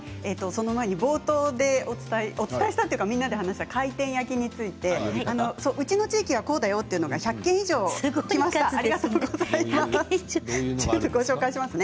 その前に冒頭でお伝えしたというかみんなで話した回転焼きについてうちの地域はこうだよというのが１００件以上きました。